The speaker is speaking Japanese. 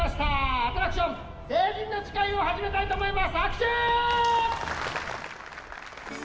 アトラクション、成人の誓いを始めたいと思います。